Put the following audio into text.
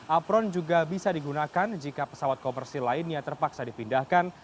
apron juga bisa digunakan jika pesawat komersil lainnya terpaksa dipindahkan